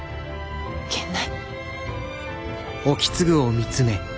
源内。